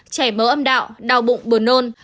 chảy máu âm đạo đau bụng buồn nôn